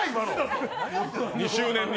２周年に。